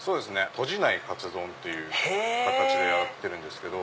とじないカツ丼という形でやってるんですけど。